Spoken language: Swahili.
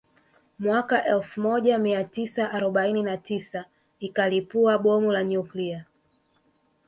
Mwaka wa elfu moja mia tisa arobaini na tisa ikalipua Bomu la nyukilia